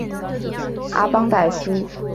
阿邦代苏。